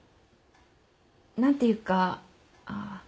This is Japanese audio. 何ていうかあっ。